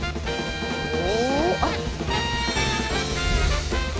お。